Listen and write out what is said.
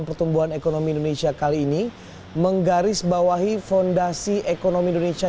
pertumbuhan ekonomi indonesia kali ini menggarisbawahi fondasi ekonomi indonesia